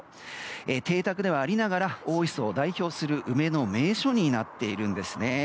邸宅ではありながら大磯を代表する梅の名所になっているんですね。